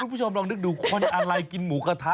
คุณผู้ชมลองนึกดูคนอะไรกินหมูกระทะ